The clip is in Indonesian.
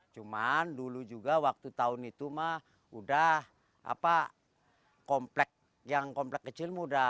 cuman dulu juga waktu tahun itu mah udah komplek yang komplek kecil muda